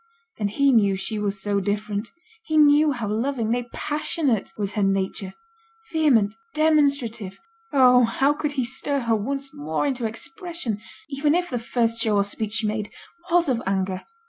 And he knew she was so different; he knew how loving, nay, passionate, was her nature vehement, demonstrative oh! how could he stir her once more into expression, even if the first show or speech she made was of anger?